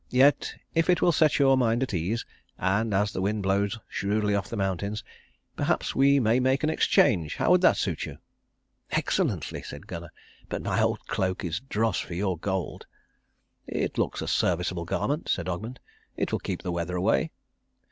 Yet if it will set your mind at ease, and as the wind blows shrewdly off the mountains, perhaps we may make an exchange. How would that suit you?" "Excellently," said Gunnar, "but my old cloak is dross for your gold." "It looks a serviceable garment," said Ogmund. "It will keep the weather away."